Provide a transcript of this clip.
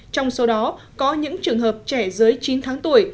trong số đó có những trường hợp trẻ dưới chín tháng tuổi